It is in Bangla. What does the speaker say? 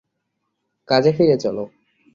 কাজে ফিরে চলো।